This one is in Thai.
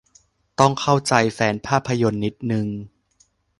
ต้องเข้าใจแฟนภาพยนตร์นิดนึง